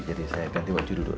jadi saya ganti baju dulu